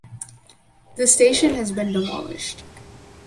The station has been demolished.